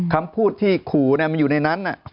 คำพูดที่ขู่มันอยู่ในนั้น